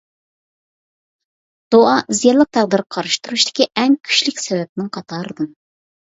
دۇئا زىيانلىق تەقدىرگە قارىشى تۇرۇشتىكى ئەڭ كۈچلۈك سەۋەبنىڭ قاتارىدىن.